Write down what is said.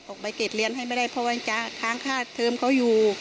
ใบเกรดเรียนให้ไม่ได้เพราะว่าค้างค่าเทิมเขาอยู่